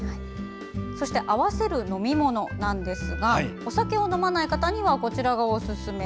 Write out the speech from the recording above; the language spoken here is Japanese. そして、合わせる飲み物ですがお酒を飲まない方にはこちらがおすすめ。